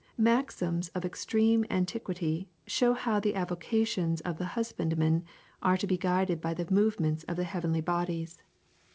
Maxims of extreme antiquity show how the avocations of the husbandman are to be guided by the movements of the heavenly bodies.